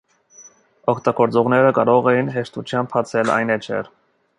Օգտագործողները կարող էին հեշտությամբ բացել այլ էջեր։